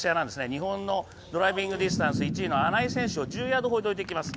日本のドライビングディスタンス１位の穴井選手を１０ヤードほど超えています。